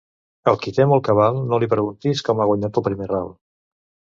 Al qui té molt cabal, no li preguntis com ha guanyat el primer ral.